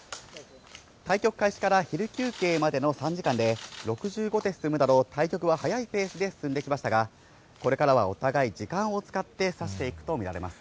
対局開始から昼休憩までの３時間で６５手進むなど、対局は早いペースで進んできましたが、これからはお互い、時間を使って指していくと見られます。